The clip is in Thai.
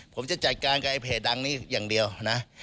ผมจะจัดการกับไอเพจดังนี้อย่างเดียวนะ